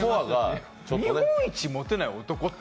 日本一モテない男？